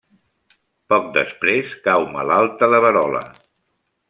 Poc després, cau malalta de verola.